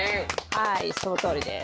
はいそのとおりです。